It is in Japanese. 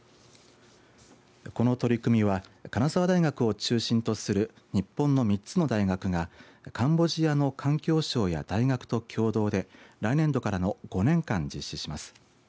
この取り組みは金沢大学を中心とする日本の３つの大学がカンボジアの環境省や大学と共同で来年度からの５年間実施します。